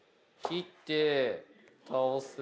切って倒す。